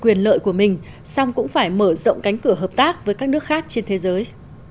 quyền lợi của mình song cũng phải mở rộng cánh cửa hợp tác với các nước khác trên thế giới